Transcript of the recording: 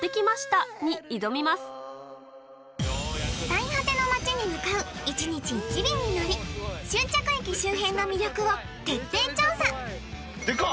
最果ての町に向かう１日１便に乗り終着駅周辺の魅力を徹底調査・デカ！